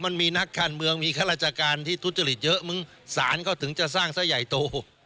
มันมีนักคันเมืองมีฆราจการที่ทุจจริตเยอะมึงศาลก็ถึงจะสร้างเสร็จใหญ่โต